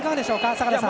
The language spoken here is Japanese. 坂田さん。